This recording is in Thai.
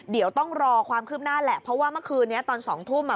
เดี๋ยวต้องรอความคืบหน้าแหละเพราะว่าเมื่อคืนนี้ตอนสองทุ่มอ่ะ